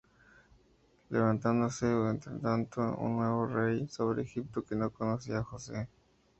Levantóse entretanto un nuevo rey sobre Egipto, que no conocía á José.